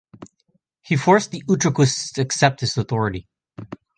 He forced the Utraquists to accept his authority.